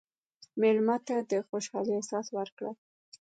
مېلمه ته د خوشحالۍ احساس ورکړه.